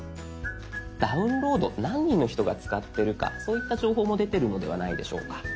「ダウンロード」何人の人が使ってるかそういった情報も出てるのではないでしょうか。